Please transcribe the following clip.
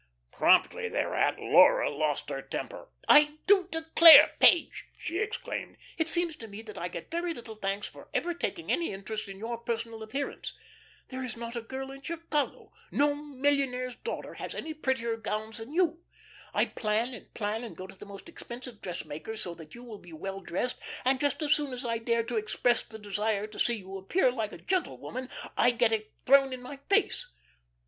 Promptly thereat Laura lost her temper. "I do declare, Page," she exclaimed, "it seems to me that I get very little thanks for ever taking any interest in your personal appearance. There is not a girl in Chicago no millionaire's daughter has any prettier gowns than you. I plan and plan, and go to the most expensive dressmakers so that you will be well dressed, and just as soon as I dare to express the desire to see you appear like a gentlewoman, I get it thrown in my face.